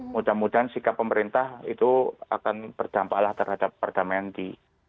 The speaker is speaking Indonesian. mudah mudahan sikap pemerintah itu akan berdampaklah terhadap perdamaian di